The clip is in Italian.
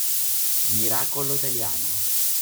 Miracolo italiano